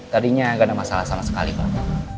tadinya gak ada masalah salah sekali pak